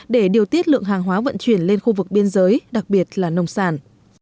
để điều tiết lượng hàng hóa vận chuyển lên khu vực biên giới đặc biệt là nông sản